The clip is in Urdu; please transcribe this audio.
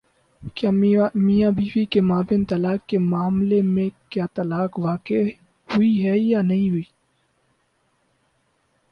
کسی میاں بیوی کے مابین طلاق کے مألے میں کیا طلاق واقع ہوئی ہے یا نہیں ہوئی؟